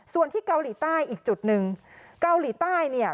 ส่วนที่เกาหลีใต้อีกจุดหนึ่งเกาหลีใต้เนี่ย